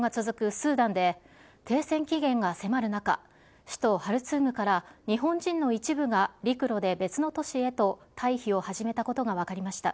スーダンで停戦期限が迫る中、首都ハルツームから日本人の一部が陸路で別の都市へと退避を始めたことが分かりました。